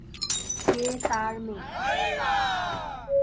সে তার মেয়ে।